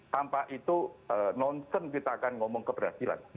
tanpa itu nonsen kita akan ngomong keberhasilan